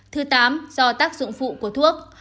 thứ tám do tác dụng phụ của thuốc